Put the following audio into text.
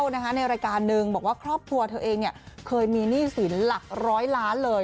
ในรายการหนึ่งบอกว่าครอบครัวเคยมีหนี้สินหลัก๑๐๐ล้านบาทเลย